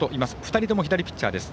２人とも左ピッチャーです。